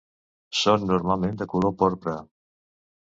Són normalment de color porpra.